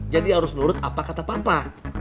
jadi harus nurut apa kata papa